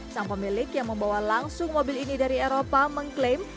sang pemilik yang membawa langsung mobil ini dari eropa mengklaim